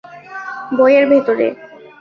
বই এর ভেতরে।